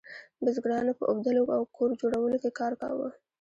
بزګرانو په اوبدلو او کور جوړولو کې کار کاوه.